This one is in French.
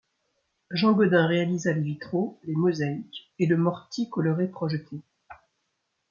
Jean Gaudin réalisa les vitraux, les mosaïques et le mortier coloré projeté.